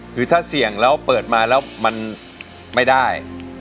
คือถ้าเสี่ยงแล้วเปิดมาแล้วมันไม่ได้